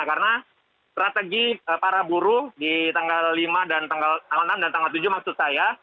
karena strategi para buruh di tanggal lima dan tanggal enam dan tanggal tujuh maksud saya